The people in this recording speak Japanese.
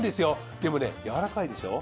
でもねやわらかいでしょう？